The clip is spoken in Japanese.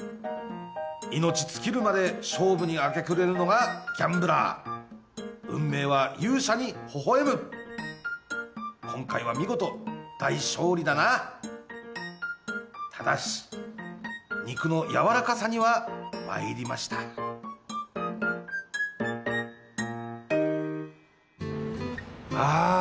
命尽きるまで勝負に明け暮れるのがギャンブラー運命は勇者にほほ笑む今回は見事大勝利だなただし肉のやわらかさにはまいりましたああ